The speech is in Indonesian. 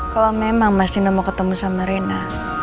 kalau memang mas nino mau ketemu sama rina